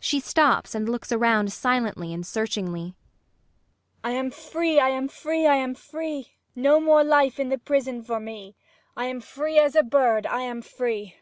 She stops and looks around silently and searchingly. MAIA. I am free! I am free! I am free! No more life in the prison for me! I am free as a bird! I am free!